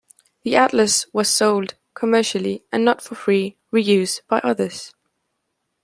The atlas was sold commercially and not for free reuse by others.